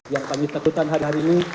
yang kami takutkan hari hari ini